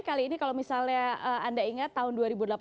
kali ini kalau misalnya anda ingat tahun dua ribu delapan belas